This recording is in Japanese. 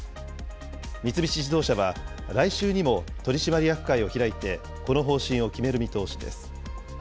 三菱自動車は来週にも取締役会を開いて、この方針を決める見通し